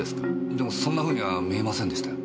でもそんなふうには見えませんでしたよ。